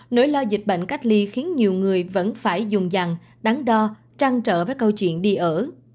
nỗi lo dịch bệnh cách ly khiến nhiều người vẫn phải dùng dặn đắng đo trăng trở với câu chuyện đi ở